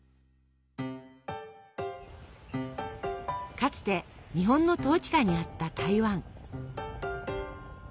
かつて日本の統治下にあった台湾。